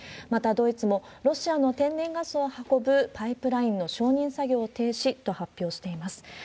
またドイツも、ロシアの天然ガスを運ぶパイプラインの承認作業を停止と発表しています。